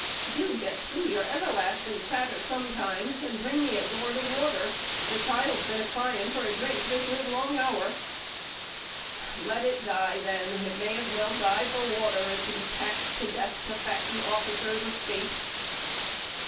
"Do get through your everlasting clatter sometime, and bring me a gourd of water: the child's been crying for a drink this live long hour." "Let it die, then: it may as well die for water as to be taxed to death to fatten officers of State."